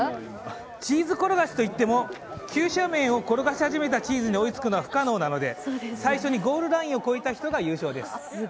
チーズ転がしといっても急斜面を転がし始めたチーズに追いつくのは不可能なので、最初にゴールラインを超えた人が優勝です。